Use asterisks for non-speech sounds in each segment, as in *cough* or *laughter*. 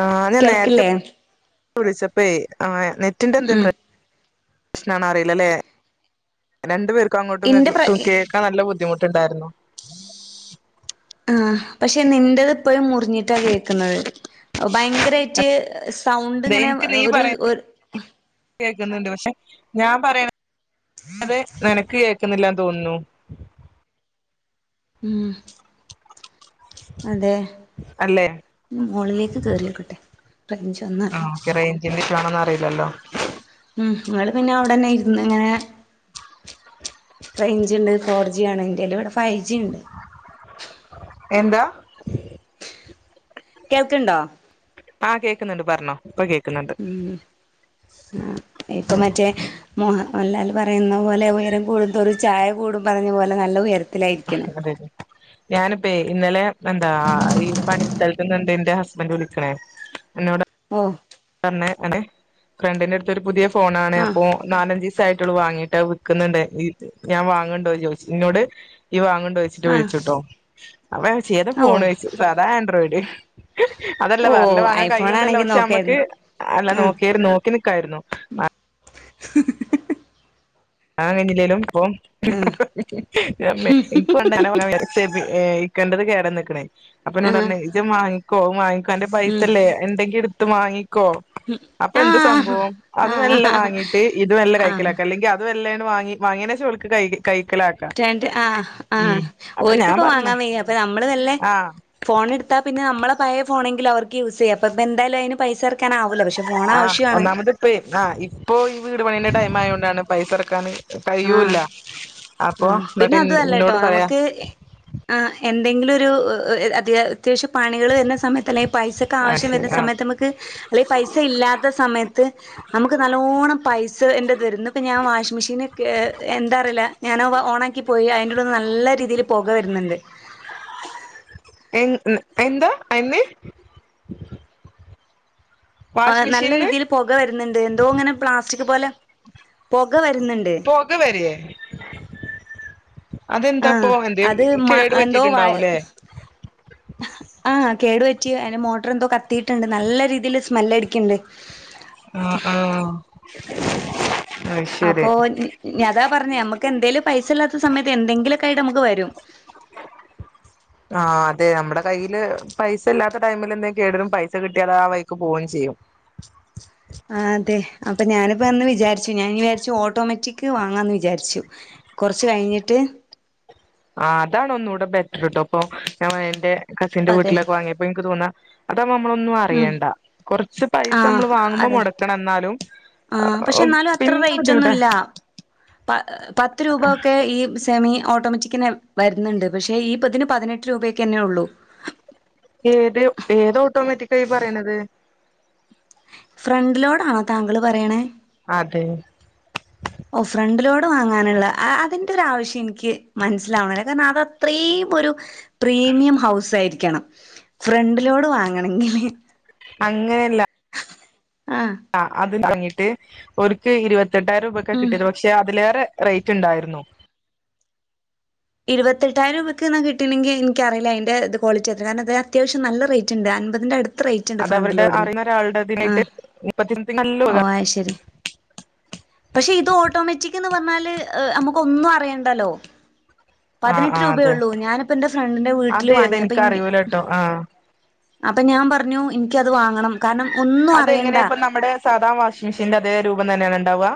ആഹ് ഞാൻ നേരത്തെ കേൾക്കില്ലേ വിളിച്ചപ്പെ ആനെറ്റിന്റെ എന്ത ഉം പ്രശ് നണോ അറിയില്ല അല്ലെ രണ്ടു പേർക്ക അങ്ങോട്ടും ഇന്റെ പ്ര കേ ക്കനല്ല ബുദ്ധിമുട്ടുണ്ടായിരുന്നു ആ പക്ഷെ നിന്റെത്പ്പോഴും മുറിഞ്ഞിട്ടാ കേൾക്കുന്നത് ഭയങ്കരയിട്ട് സ് സൗണ്ടിങ്ങനെ ഒരു ഒര് ത കേക്കുന്നുണ്ട് പക്ഷെ ഞാൻ പറയണത് നിനക്ക് കേക്കുന്നില്ലന്ന് തോന്നുന്നു ഉം അതെ അല്ലേ മോളിലേക്ക് കേറിയോക്കട്ടെ റേയ്ഞ്ച് ഒന്ന് ആഹ് ഓക്കേ റേയ്ഞ്ചിന്റെ ഇഷു ആണോന്ന് അറിയില്ലല്ലോ ഉം നിങ്ങള് പിന്നെ അവിടെന്നെ ഇര്ന്ന് ഇങ്ങനെ റേഞ്ച്ണ്ട് ഫോർ ജിആണ് ഇന്റല ഇവിടെ ഫൈവ് ജിണ്ട് എന്താ കേൾക്കണ്ടോ ആഹ് കേക്കുന്നുണ്ട് പറഞ്ഞോ ഇപ്പൊ കേക്കുന്നുണ്ട് ഉ ആഹ് ഇപ്പൊ മറ്റേ മോഹൻ മൻലാൽ പറയുന്ന പോലെ ഉയരം കൂടും ഒരു ചായ കൂടും പറഞ്ഞ പോലെ നല്ല ഉയര അതെതെ ഞാനിപ്പ ഇന്നലെ എന്താ ഈ പണിസ്ഥഥലത്ത് നിന്നണ്ട് എന്റെ ഹസ്ബൻഡറ് വിളിക്കണേ ന്നോട് പോം പറണ അനെ ഫ്രണ്ടിന്റെറെ അടുത്തൊ ഒരു പുതിയ ഫോണ ആണ് ആഹ് അപ്പോ നാലഞ്ചിസയിട്ടുള്ളു വാങ്ങീട്ട് വിൽക്കുന്നുണ്ട് ഞാൻ വാങ്ങണ്ടോ ജോ ഇന്നോട് ഈ വാങ്ങണ്ടോച്ചിട്ട് ആഹ് വിളിച്ചുട്ടോ അപ്പൊ ഞഒയ്ച്ച ഏതാ ഓ ഫോൺ വെ സാദാ ആൻഡ്രോയിഡ് അതല്ല ഓ വറല്ല വാങ്ങാൻ ഐഫോൺ കഴിയൊന്നല്ല ആണെങ്കി പക്ഷെ നമ്മക്ക് നോക്കായിരുന്നു അല്ല ആഹ് നോക്കിയ നോക്കി നിക്കായിരുന്നു വാങ്ങായിഞ്ഞില്ലേലും ആഹ് ഇപ്പിക്കണ്ടനന ഇക്കേണ്ടത് കേടാ നിക്കണേ അപ്പൊ എന്നോട ആഹ് ഇജ വാങ്ങിക്കോ വാങ്ങിക്കോ അന്റ ഉം പൈസല്ലേ എന്തെങ്കി എടുത്ത് വാങ്ങിക്കോ ഉം അപ്പൊ എന്ത് ആഹ് സംഭവം അത് മെല്ല ആഹ് വാങ്ങീട്ട് ഇത് മെല്ല ആഹ് കക്കലാക്കാം അല്ലെങ്കിൽ ഇതും അത് വല്ലണ് വാങ്ങി വങ്ങേനേഷംഓൾക്ക് കഴകി ആഹ അപ്പൊ ഞാൻ ആഹ്ഓര്ക്കിപ്പ പറഞ്ഞ് വാങ്ങാൻ വയ്യ അപ്പൊ നമ്മള് നല്ലേ ആഹ് ഫോൺ എടുത്താ പിന്നെ നമ്മെ പഴയ ഫോൺങ്കിൽ അവർക്ക് യൂസ് ചെയ്യാം അപ്പപ്പോ എന്തായാലും അയിന് പൈസ ഇറക്കാനാവില്ല പക്ഷെ ഫോൺ ആഹ് ആവശ്യാണ് ഒന്നാമത് ഇപ്പും ആഹ ഇപ്പോ ഈ വീട് പണിന്റെ ടൈം ആയ കൊണ്ടാണ് പൈസ ഇറക്കാൻ ആഹ് കഴിയൂല്ല അപ്പൊ ആഹ് എന്നിട്ട് എന്നോട് പറയാ ആഹ എന്തെങ്കിലും ഒരു അത് അത്യാവശ്യം പണികൾ വരുന്ന സമയത്ത് അല്ലങ്കിൽ പൈസൊക്കെ ആഹ് ആവശ്യം ശരി വരുന്ന ആ സമയത്ത് നമുക്ക് അല്ലെ പൈസ ഇല്ലാത്ത സമയത്ത് നമുക്ക് നല്ലോണം പൈസ എൻ്റെത് വരുന്നു ഇപ്പം ഞാൻ വാഷിംഗ് മെഷീന് എന്താ അറില്ല ഞാൻ ഓണാക്കിപ്പോയി അതിൻ്റെഉള്ളിന്ന് നല്ല രീതിയിൽ പോക വരുന്നുണ്ട് എ എന്താ അന് ആഹ വാഷിംഗ് നല്ല മെഷീനിന്ന് രീതിയിൽ പുക വരുന്നുണ്ട് എന്തോ ഇങ്ങനെ പ്ലാസ്റ്റിക് പോലെ പുക വരുന്നുണ്ട് പുക വരിയെ ആഹ് അതെന്താപ്പൊ എന്ത അത് മ കേട് എന്തോ വയ പറ്റിട്ടുണ്ടാവൂലേ ആഹ് കേടു വെറ്റി അന്റെ മോട്ടർ എന്തോ കത്തിട്ടുണ്ട് നല്ല രീതിയിൽ സ്മെല്ടിക്കണ്ട് ആഹ ആഹ അപ്പൊ ഞതാ പറഞ്ഞ നമുക്ക് എന്തേലും പൈസ ഇല്ലാത്ത സമയത്ത് എന്തെങ്കിലൊക്കെ ആയിട്ട് നമുക്ക് വരും ആഹ അതെ നമ്മുടെ കയ്യിയില് പൈസ ഇല്ലാത്ത ടൈമിൽ എന്തെങ്ക കേടലും പൈസ കിട്ടിയാൽ ആ വൈക്ക് പോവുകയും ചെയ്യും അതെ അപ്പൊ ഞാനിപ്പ എന്ന് വിചാരിച്ചു ഞാൻ വിചാരിച്ചു ഓട്ടോമാറ്റിക്ക് വാങ്ങാന്ന് വിചാരിച്ചു കുറച്ച് കഴിഞ്ഞിട്ട് ആ്താണ് ഒന്നുകൂടെ ബെറ്റർട്ടോ അപ്പൊ ഞാൻ എന്റെ കസിന്റെ അതെ വീട്ടിലൊക്കെ വാങ്ങിയപ്പോ എനിക്ക് തോന്ന ഇപ്പ നമ്മളൊന്നും ഉം അറിയണ്ട കുറച്ച് പൈസ നമ്മൾ വാങ്ങുമ്പോ മുടക്കണം എന്നാലും ആഹ പക്ഷെ എന്നാലും അത്ര പിന്നെ റേറ്റ് ബുദ്ധിമുട്ടാ ഒന്നുംല്ല പത്ത് രൂപൊക്കെ ഈ സെമി ഓട്ടോമാറ്റിക്കന്നെ വരുന്നുണ്ട് പക്ഷേ ഈ പതിന് പതിനെട്ട് രൂപയൊക്ക് തന്നെ ഉള്ളൂ ഏത് ഏത് ഓട്ടോമാറ്റിക് ആയി പറയണുന്നത് ഫ്രണ്ട് ലോഡ് ആണോ താങ്കൾ പറയണേ അതെ ഓ ഫ്രണ്ടിലോട് വാങ്ങാനുള്ള അതിന്റെ ഒരു ആവശ്യം എനിക്ക് മനസ്സിലാവണല്ലേ കാരണം അത് അത്രയും ഒരു പ്രീമിയം ഹൗസ് ആയിരിക്കണം ഫ്രണ്ടിലോട് വാങ്ങണെങ്കില് അങ്ങനെയല്ല ആഹ് ആഹ് അത് തുടങ്ങിട്ട് ഓർക്ക് ഇരുപത്തെട്ടായിരം രൂപയ്ക്കാ ഉം കിട്ടിയത് പക്ഷെ പക്ഷെ അതിലേറെ റേറ്റ് ഉണ്ടായിരുന്നു ഇരുപത്തെട്ടായിരം രൂപയ്ക്ക് കിട്ടണെങ്കി എനിക്കറിയില്ല അതിന്റെ ഇത് ക്വാളിറ്റി അത് കാരണം അത് അത്യാവശ്യം നല്ല റേറ്റ് ഉണ്ട് അൻപതിന്റെ അടുത്ത് അത്ര റേറ്റ് ഉണ്ട് അത് ഫ്രണ്ട് അവരുടെ ലോഡിന് അറിയുന്ന ഒരാളുടെ ഇതിനായിട്ട് ആഹ് മുപ്പത്തി സംതിങ് നല്ല ഓ തുക ശരി പക്ഷെ ഇത് ഓട്ടോമാറ്റിക് എന്ന് പറഞ്ഞാല് നമുക്ക് ഒന്നും അറിയണ്ടല്ലോ ആഹ് പതിനെട്ട് ആഹ് അതെ രൂപയുള്ളൂ ഞാനിപ്പം എന്റെ ഫ്രണ്ടിന്റെ അത് വീട്ടില് ഏതാ വാങ്ങിയപ്പം എനിക്ക് എനി അറിയൂലട്ടോ ആഹ് അപ്പം ഞാൻ പറഞ്ഞു എനിക്കത് വാങ്ങണം കാരണം ഒന്നും അറിയണ്ട സാദാ വാഷിംഗ്‌ മെഷീന്റെ അതേ രൂപം തന്നെയാണ് ഉണ്ടാവുക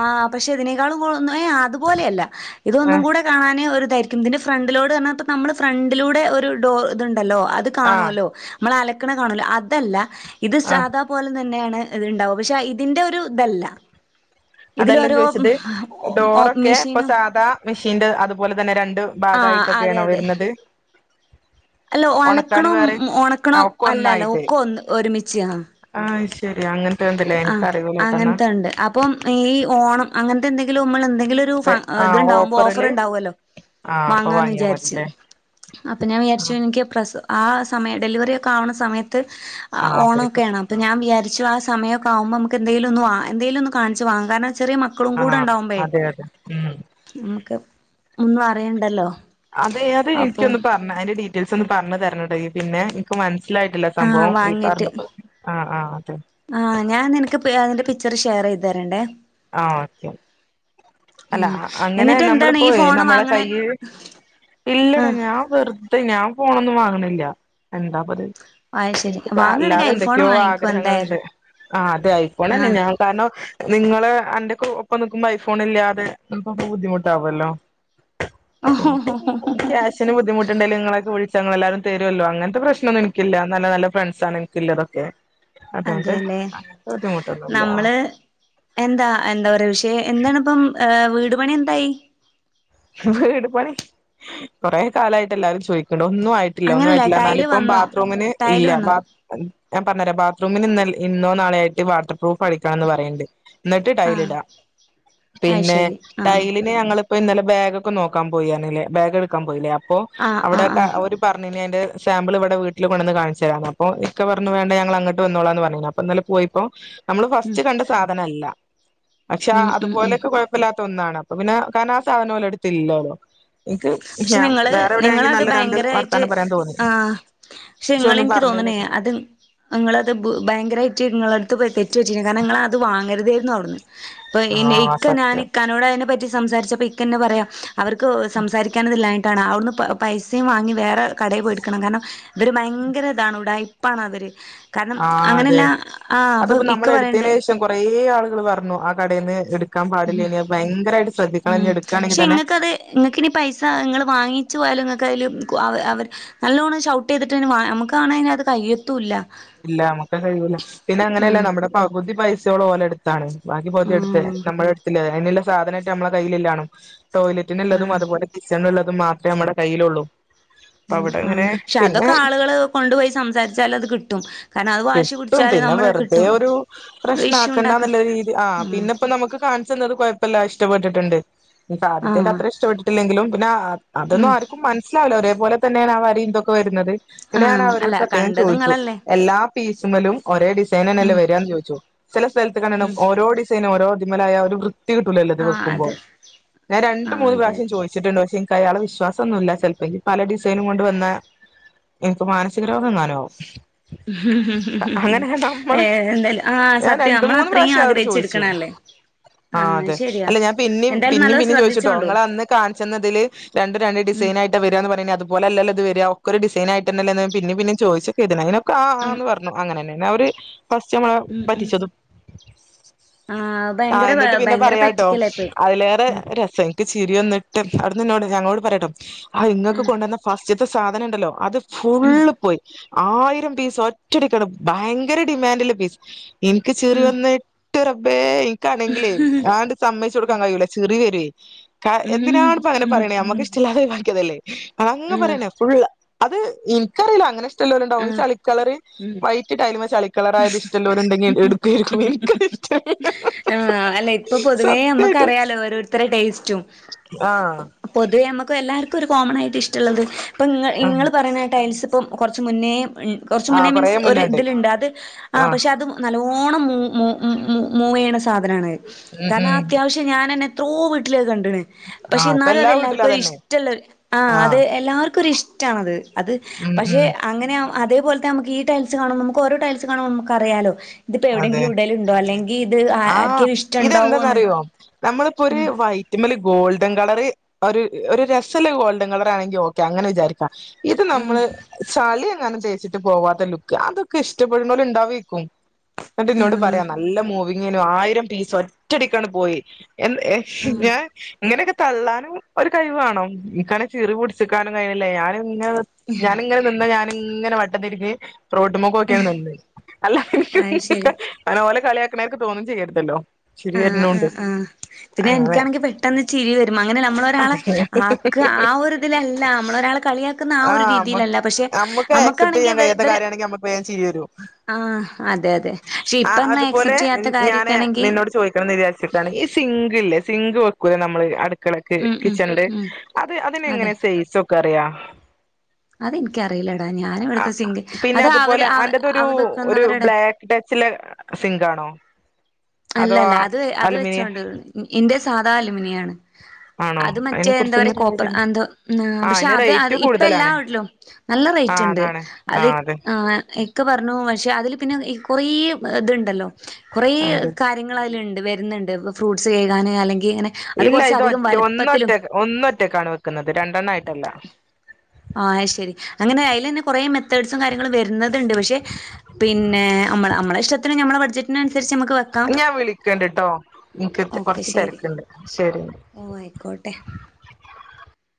ആഹ് പക്ഷെ ഇതിനേക്കാളും കൊള്ളുന്നെ അതുപോലെയല്ല ഇതൊന്നും ആഹ് കൂടെ കാണാനെ ഒരു ഇതായിരിക്കും ഇതിന്റെ ഫ്രണ്ടിലോഡ് പറഞ്ഞാ നമ്മൾ ഫ്രണ്ടിലൂടെ ഒരു ഡോർ ഇതുണ്ടല്ലോ അത് ആഹ് കാണുവല്ലോ നമ്മള് അലക്കണ കാണുവല്ലോ അതല്ല ഇത് ആഹ് സാദാ പോലെ തന്നെയാണ് ഇതുണ്ടാവുക പക്ഷെ ഇതിന്റെ ഒരു ഇതല്ല അതെല്ലാം ഇതിലോരോ ചോദിച്ചത് ഓപ്പ് ഡോറൊക്കെ ഇപ്പം മെഷീനും സാധാ മെഷീന്റെ അതുപോലെ തന്നെ രണ്ട് ആഹ് അതെ ഭാഗമായിട്ടൊക്കെയാണോ അതെ വരുന്നത് അല്ല ഉണക്കാന് അലക്കണും വേറെ ആഹ് ഒണക്കണും ഒക്കെ അല്ലല്ലോ ഒന്നായിട്ട് ഒക്കെ ഒന്ന് ഒരുമിച്ചു ചെയ്യണം ആഹ് ശരി അങ്ങനെ ആഹ് അങ്ങനത്തെ ഉണ്ട് അപ്പം ഈ ഓണം അങ്ങനത്തെ എന്തെങ്കിലും നമ്മള് എന്തെങ്കിലും ആഹ് ഇതുണ്ടാവുമ്പോ ഓഫർ ഓഫറില് ഉണ്ടാവുമല്ലോ ആഹ് അപ്പൊ വാങ്ങാന്ന് വാങ്ങിയാ വിചാരിച്ച് മതില്ലേ അപ്പം ഞാൻ വിചാരിച്ചു ആഹ് എനിക്ക് പ്രസ ആ സമയം ഡെലിവറി ഒക്കെ ആവണ സമയത്ത് ആഹ് അപ്പഴേക്കൊക്കെ ഓണമൊക്കെയാണ് അപ്പം ഞാൻ വിചാരി ആഹ് സമയൊക്കെയാകുമ്പോ നമുക്ക് എന്തെങ്കിലും ഒന്ന് എന്തേലും ഒന്ന് കാണിച്ച് വാങ്ങാം കാരണം ചെറിയ മക്ക ആഹ് അതെ അതെ ഉം നമുക്ക് ഒന്നും അറിയണ്ടല്ലോ അതെ അതെ അപ്പൊ എനിക്കൊന്ന് പറഞ്ഞ് അതിന്റെ ഡീറ്റെയിൽസ് ഒന്ന് പറഞ്ഞ് തരണട്ടെ പിന്നെ ക്ക് മനസ്സിലായിട്ടില്ല ആഹ് സംഭവം ഈ വാങ്ങിട്ട് പറഞ്ഞപ്പം ആഹ് ആഹ് അതെ ആഹ് ഞാൻ നിനക്ക് അതിന്റെ എപ്പഴാ പിക്ചറ് ഷെയർ ചെയ്ത് തരേണ്ടേ ആഹ് ഓക്കെ അല്ല ഉം അങ്ങനെ എന്നിട്ട് നമ്മള് എന്താണ് ഈ ഇപ്പൊവെ ഫോണ് നമ്മളെ വാങ്ങണ കൈയ്,, ഇല്ലടാ ആഹ് ഞാൻ വെറുതെ ഞാൻ ഫോണൊന്നും വാങ്ങണില്ല എന്താപ്പം ഇത് അത് ശരി എനിക്കിപ്പോ വാങ്ങാണെങ്കി അല്ലാതെ ഐഫോൺ എന്തൊക്കെയോ വാങ്ങിക്കും എന്തായാലും ആഗ്രഹങ്ങളുണ്ട് ആഹ് അത് ഐ ഫോണ് തന്നെ ആഹ് ഞാൻ കാരണം നിങ്ങള് എന്റെ ഒപ്പം നിക്കുമ്പോ ഐഫോൺ ഇല്ലാതെ നിങ്ങക്ക് ബുദ്ധിമുട്ടാവല്ലോ *inaudible* ബുദ്ധിമുട്ടുണ്ടേല് നിങ്ങളെയൊക്കെ. വിളിച്ചാൽ നിങ്ങളെല്ലാരും തരുവല്ലോ അങ്ങത്തെ പ്രശനമൊന്നും എനിക്കില്ല നല്ല നല്ല ഫ്രണ്ട്സ് ആണ് എനി,, കില്ലറൊക്കെ അതുകൊണ്ട് അതെല്ലേ ബുദ്ധിമുട്ടൊന്നുമില്ല നമ്മള് എന്താ എന്താ ഒരു പക്ഷേ എന്താണ് ഇപ്പം വീട് പണി എന്തായി വീട് പണി കൊറേ കാലമായിട്ട് എല്ലാരും ചോയിക്കണു ഒന്നും ആയി ട്ടില്ല ഒന്നും അങ്ങനല്ല ആയിട്ടില്ല ടൈല് എന്നാലിപ്പം വന്നോ ബാത്റൂമിന് ടൈല് ഇല്ല വന്നോ ബാ,, ഞാൻ പറഞ്ഞരാം ബാത്റൂമിൽ ഇന്ന് ഇന്നോ നാളെയോ ആയിട്ട് വാട്ടർ പ്രൂഫ് അടിക്കണം എന്ന് പറയുണ്ട് എന്നിട്ട് ടൈല് ആഹ് ഇടാം അത് പിന്നെ ശരി ആഹ് ടൈലിന് ഞങ്ങള് അപ്പം ഇന്നലെ ബാഗ് ഒക്കെ നോക്കാൻ പോയിണല്ലേ ബാഗ് എടുക്കാൻ പോയില്ലേ അപ്പൊ ആഹ് അവിടെ ആഹ് ആഹ് ഒര് പറഞ്ഞുനി അതിന്റെ സാമ്പിള് ഇവിടെ വീട്ടില് കൊണ്ടുവന്ന് കാണിച്ച് തരാന്ന് അപ്പോ ഇക്ക പറഞ്ഞു വേണ്ട ഞങ്ങള് അങ്ങട്ട് വന്നോളാന്ന് പറഞ്ഞിന് അപ്പം ഇന്നലെ പോയി അപ്പം നമ്മള് ഫസ്റ്റ് കണ്ട് സാധനല്ല പക്ഷെ ഉം ഉം ഉം അതുപോലൊക്കെ കുഴപ്പമില്ലാത്ത ഒന്നാണ് അപ്പം പിന്നെ കാരണം സാധനം ഓലെടുത്തില്ലല്ലോ പക്ഷെ നിങ്ങള് നിങ്ങളത് നല്ല രണ്ട് ഭയങ്കരമായിട്ട് വർത്താനം പറയാൻ തോന്നി ആഹ് പക്ഷെ നിങ്ങള് ഒന്നും എനിക്ക് തോന്നണേ പറഞ്ഞില്ലട്ടോ അത് നിങ്ങളത് ഭു ഭയങ്കരമായിട്ട് നിങ്ങള് അടുത്ത് അടുത്ത് ബെറ്റ് വെച്ചില്ലേ കാരണം നിങ്ങളത് വാങ്ങരുതേന്ന് പറഞ്ഞ് അപ്പൊ ആ ഇക്ക ഞാൻ സത്യം ഇക്കാനോട് അതിനെ പറ്റി സംസാരിച്ചപ്പം ഇക്ക തന്നെ പറയാ അവർക്ക് സംസാരി ല്ലട്ടാണ് അവിടുന്ന് പൈസയും വാങ്ങി വേറെ കടയിൽ പോയി എടുക്കണം കാരണം ഇവര് ഭയങ്കര ഇതാണ് ഉടാ പ്പാണ് അവര് കാരണം ആ അങ്ങനെയല്ല അതെ ആഹ് അപ്പൊ അതിപ്പോ ഇക്ക നമ്മൾ പറയുണ്ട് എടുത്തതിന് ശേഷം കുറേ ആളുകൾ പറഞ്ഞു ആ കടയിൽന്ന് എടുക്കൻ പാടില്ല ഇനി ഭയങ്കരമായിട്ട് ശ്രദ്ധിക്കണം എടുക്കുകയാണെങ്കിൽ തന്നെ നിങ്ങൾക്കിനി പൈസ നിങ്ങൾ വാങ്ങിച്ചച്ച് പോയാലും നിങ്ങൾക്ക് അതിൽ അവർ നല്ലോണ്ണം ഷൗറ്റ് ചെയ്തിട്ട്ന് നമക്കണേ അത് കയ്യത്തുംല്ല ഇല്ല നമ്മുക്ക് കഴിയൂല പിന്നെ അങ്ങനെയല്ലേ ആഹ് നമ്മുടെ പകുതി പൈസയോളം ഓല് എടുത്താണ് ബാക്കി പകുതിയടുത്തു ആഹ് നമ്മുടെ അടുത്തില്ല അതിനുള്ള സാധനട്ട് നമ്മളെ കയ്യിലല്ലാണ് ടോയ്ലറ്റിനുള്ളതും ആഹ് അതുപോലെ കിച്ഛണുള്ളത് മാത്രമേ നമ്മടെ കയ്യിലുള്ളൂ അപ്പൊ അവിടെ ആഹ് അങ്ങനെ പക്ഷെ പിന്നെ അതൊക്കെ ആളുകള് കൊണ്ടുപോയി സംസാരിച്ചാൽ അത് കിട്ടും കാരണം അത് വാശി കിട്ടും പിടിച്ചാല് പിന്നെ നമ്മള് വെറുതെ കിട്ടും ഒരു പ്രശ്ന ഇഷ്യൂ ആക്കണ്ട ഉണ്ടാക്ക നല്ല രീതി ആ ഉം പിന്നെപ്പ നമുക്ക് കാ,, കുഴപ്പമില്ല ഇഷ്ടപ്പെട്ടിട്ടുണ്ട് ഇനീപ്പ ആദ്യത്തേതിന്റെ ആഹ് അത്ര ഇഷ്ടപ്പെട്ട്,, ല്ലെങ്കിലും പിന്നെ അതന്നും ഉം ആർക്കും മനസ്സിലാവല്ലോ ഒരേപോലെ തന്നെയാണ് ആ വരിയും ഇന്തൊക്കെ വരുന്നത് പിന്നെ ഞാൻ ആഹ് അവരോട് അല്ല പ്രത്യേകം കണ്ടത് ചോദിച്ചു. ഇങ്ങളല്ലേ എല്ലാ പീസ് മ്മലും ഒരേ ഡിസൈനന്നല്ലെ ഉം വരാന്ന് ചോദിച്ചു. ചെല സ്ഥലത്ത് കണ്ട്ണ് ഉം ഓരോ ഡി സെയ്ന ഓരോ ഇതിമ്മലായാ ഒരു വൃ ത്തി കിട്ടൂലല്ലോ ഇത് ആഹ് വെക്കുമ്പോ. അത് ഞാൻ രണ്ട് ആഹ് മൂന്ന് അതെ പ്രാവശ്യം അതെ ചോയ്ച്ച്ട്ട്ണ്ട് പക്ഷെ ക്കയാളെ വിശ്വാസൊന്നൂല്ല, ചെൽപ്പെങ്കി പല ഡിസൈനും കൊണ്ട് വന്നാ ഇൻക്ക് മാനസിക രോഗെങ്ങാനും ആവും അങ്ങനെ നമ്മൾ, ഏഹ് എന്തായാലും ആഹ് ഞാൻ സത്യം രണ്ട് മൂന്ന് നമ്മളത്രയും പ്രാവശ്യം അയാളോട് ചോയ്ച്ചു ആഗ്രഹിച്ചെടുക്കണല്ലേ ആഹ് അതെ. അത് ശരിയാ അല്ലെ ഞാൻ പിന്നിം, എന്തായാലും പിന്നിം നല്ലോ പിന്നിം ചോദയ്ച്ച്ട്ടോ ശ്രദ്ധിച്ചോണ്ടു ഇങ്ങളന്ന് കാൺച്ചെന്നതില് രണ്ടും രണ്ട് ഉം ഡിസൈൻ ആയി ട്ട വരാന്ന് പറഞ്ഞീനി, അതുപോലല്ലൊ ഇത് വെരാ, ഒക്കൊരു ഡിസൈനായിട്ട്ന്നല്ലെന്ന് പിന്നിം പിന്നിം ചോയ്ച്ചൊക്കെയ്തീനി, അയ്നൊക്കെ ആഹ് ആന്ന് പർഞ് *unintelligible* അവര് ഫസ്റ്റമ്മളെ ഉം ഉം പറ്റിച്ചതും. ആഹ് ഭയങ്കര എന്നിട്ട് പിന്നെ ഭയങ്കര പറയാട്ടോ പറ്റിക്കലായി പോയി അതിലേറെ ഉം രസം ചിരി വന്ന്ട്ട്, അവ്ട്ന്ന് ന്നോട് ഞങ്ങളോട് പറ്യാട്ടൊ, ഹയ് ഇങ്ങക്ക് ഉം കൊണ്ടന്ന ഫസ്റ്റ്ത്തെ സാധനണ്ടല്ലോ അത് ഫുള്ള് പോയി. ആയിരം പീസ് ഒറ്റടിക്കാണ് ഭയങ്കര ഡിമാൻഡ്ള്ളെ പീസ് ഇൻക്ക് ചിറി ഉം വന്ന്ട്ട് റബ്ബേ ഇ ഇൻക്കാണെങ്കിലേ, ആങ്ട്ട് സമ്മെയ്ച്ചൊട്ക്കാൻ കയ്യുല ചിറി വരുവേ, കാ ഉം എന്തിനാണ്പ്പൊ അങ്ങനെ പറിണേ ഉം നമ്മക്കിഷ്ടല്ലാതെ ഒയ് വാക്ക്യേതല്ലേ അതങ്ങ ആഹ് പറ്യന്നെ, ഫുള്ള് അത് എനിക്കറീല അങ്ങനെ ഇഷ്ടല്ലോല്ണ്ടാവും ഈ ആഹ് ചളിക്കളറ് ഉം വൈറ്റ് ടയ്ല്മ്മെ ചളിക്കളറായത് ഇഷ്ടല്ലോല്ണ്ടെങ്കി എടുക്കായിരിക്കും, ഇൻക്ക്ത് ഇഷ്ടല്ലാ ആഹ് അല്ല ഇപ്പൊ പൊതുവേ നമ്മക്കറിയാലോ ഓരോരുത്തരെ ടേസ്റ്റും ആഹ് പൊതുവേ നമുക്ക് എല്ലാർക്കും ഒരു കോമണായിട്ട് ഇഷ്ടള്ളത്. ഇപ്പൊ ഇങ്ങ ഉം ഇങ്ങള് പറിണ ടൈൽസ്പ്പം കൊർ ച്ച് മുന്നേ, കൊർച്ച് മുന്നേ ആഹ് കൊറേ മീൻസ് ഒരു മുന്നേണ്ട് ഇതില്ണ്ട് അത് ആഹ് പക്ഷെ അത് നല്ലോണം മൂ മൂ മൂ മൂ മൂവെയ്യ്ണ സാധനാണത് ഉം കാരണം, ഉം അത്യാവശ് ഞാനെന്നെ എത്രോ വീട്ടിലത് കണ്ട് ണ്. പക്ഷെ ആഹ് ഇപ്പ എന്നാലും എല്ലാ വീട്ടിലും അതെല്ലാർക്കൊരു അതന്നെ ഇഷ്ടള്ളെ ആഹ് അത് എല്ലാർക്കൊരിഷ്ടാണത്. അത് ഉം പക്ഷേ ഉം അങ്ങനെ അതേപോലത്തെ നമുക്ക് ഈ ടൈൽസ് കാണുംബം നമുക്കോരോ ടൈൽസ് കാണുംബം നമുക്കറിയാലോ അതെ ഇത്പ്പെവിടെങ്കിലും ഇടല്ണ്ടോ, അല്ലെങ്കി ഇത് ആഹ് ആർക്കേലും ഇഷ്ടണ്ടാണ്ടാവോന്ന് ഉം. ഇത് മ്മല് ഗോൾഡൻ കളറ്, ഒരു ഒരു രസല്ലെ ഗോൾഡൻ കളറാണെങ്കി ഓ ക്കെ അങ്ങനെ വിചാരിക്കാ. ഇത് നമ്മള് ചള്യെങ്ങാനും തേച്ച്ട്ട് പോവാത്ത ലുക്ക്, അതൊക്കെ ഇഷ്ടപ്പെടുന്നോല് ഇണ്ടാവേക്കും. ഇന്നട്ട് ഇന്നോട് ഉം പറ്യാ, നല്ല മൂവിങ്ങേനു, ആയിരം പീസ് ഒറ്റടിക്കാണ് പോയി. എന്ത് എ ആ ആ ഞാൻ ഇങ്ങനൊക്കെ തള്ളാനും ഒരു കഴിവ് വാണം, ഇൻക്കാണേ ചിറി പുട്ച്ച്ക്കാനും കയ്യ്ണ്ല്ല, ഞാന് *unintelligible* ഞാന്ങ്ങനെ നിന്നാ ഞാന്ങ്ങനെ വട്ടം തിരിഞ്ഞ് റോട്ട്മ്മക്ക് നോക്ക്യണ് നിന്ന്‌. അല്ല അത് ശരി അയ്ന് ഓലെ കള്യാക്ക്ണാര്ക്ക് തോന്നും ചെയ്യരുതല്ലോ, ചിരി ആഹ് വര്നോണ്ട്, ആഹ് ആഹ് പിന്നെ അങ്ങനെ എനിക്കാണെങ്കി പെട്ടെന്ന് ചിരി വരും, അങ്ങനെ നമ്മളൊരാളെ ആക്ക ആ ഒരിതിലല്ല നമ്മളൊരാൾ കളിയ *unintelligible* ആ ഒരു ആഹ് രീതീലല്ല പക്ഷെ, നമ്മക്ക് ആക്സെപ്റ്റ് നമ്മക്കാണെങ്കിൽ ചെയ്യാൻ വ കഴിയാത്ത വരെ കാര്യമാണെങ്കിൽ നമുക്ക് വേഗം ചിരി വരും ആഹ് അതെ അതെ. പക്ഷെ ആ ഇപ്പമ്മള് അക്സെപ്റ്റെയ്യാത്ത കാര്യക്കേണെങ്കി ന്ന് വിചാര്ച്ച്ട്ടാണ് ഈ സിങ്ക്ല്ലേ സിങ്ക് വെക്കൂലേ നമ്മള് അടുക്കളേ ക്ക് ഉം ഉം കിച്ചൺല്, ഉം അത് അതെ അതിനെങ്ങനെ സൈസൊക്കറിയാ? അത് ഇൻക്കറീലെടാ, ഞാന് ഇവട്ത്തെ സിങ്ക് പിന്നെ അത് അവര് അതുപോലെ അവ അന്റതൊരു അത് ഒരു വെക്കുന്നവരുടെ ബ്ലാക്ക് ടച്ചിലെ സിങ്കാണോ? അതോ അല്ലല്ല അത് അത് അലുമിനിയം വെച്ചോണ്ട്, ഇന്റെ സാധാ അലുമിനിയാണ്. ആണോ അത് അതിനെ മറ്റേ എന്താ കുറിച്ചൊന്നും പറയാ ഒരു ഐഡിയ കോപ്പർ ഇല്ല എന്തോ ആ പക്ഷെ, അതിന് റേറ്റ് അത് ഇപ്പ എല്ലാ കൂടുതലാണ് വീട്ട്ലും നല്ല ആ റെയ്റ്റ്ണ്ട്. അതാണ് അത് അതെ ആ *unintelligible* ഇക്ക പറഞ്ഞൂ പക്ഷെ, അതില് പിന്നെ കൊറേ ഇത്ണ്ടല്ലോ കൊറേ അതെ കാര്യങ്ങള് അതിലണ്ട് വരുന്നുണ്ട് ഫ്രൂട്ട്സ് കേകാന് അല്ലെങ്കിൽ ഇങ്ങനെ അത് ഇല്ല കുറച്ച് ഇത് അധികം ഒറ്റ ഒന്നൊറ്റ വലുപ്പത്തിലും ഒന്ന് ഒറ്റക്കാണ് വെക്കുന്നത് രണ്ടെണ്ണം ആയിട്ടല്ല ആഹ് അയ് ശരി അങ്ങനെ അയില്ന്നെ കൊറെ മെത്തേഡ്സും കാര്യങ്ങളും വരുന്നത്ണ്ട് പക്ഷെ പിന്നെ നമ്മള് നമ്മളെ ഇഷ്ടത്തിന് നമ്മെ ബഡ്ജറ്റിനനുസരിച്ച് നമുക്ക് വെക്കാം ഞാ വിളിക്കണ്ട്ട്ടോ എനിക്ക് കൊറച്ച് തിരക്കുണ്ട് ശരി ഓ ആയിക്കോട്ടെ